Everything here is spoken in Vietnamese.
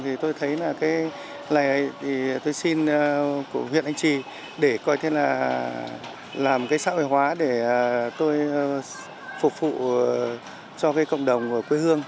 thì tôi thấy là cái này thì tôi xin của huyện anh trì để coi thế là làm cái xã hội hóa để tôi phục vụ cho cái cộng đồng quê hương